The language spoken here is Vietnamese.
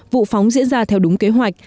vụ phóng diễn ra theo đúng kế hoạch